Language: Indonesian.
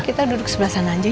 kita duduk sebelah sana aja